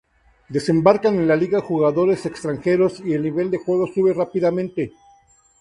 Desembarcan en la liga jugadores extranjeros y el nivel de juego sube rápidamente.